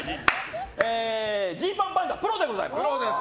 Ｇパンパンダ、プロでございます。